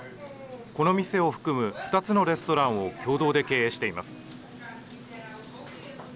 この店を含む２つのレストランを共同で経営しています。